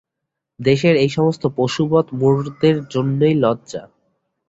দেশের এই-সমস্ত পশুবৎ মূঢ়দের জন্যই লজ্জা।